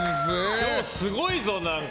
今日、すごいぞ何か。